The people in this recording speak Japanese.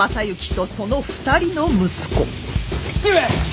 父上！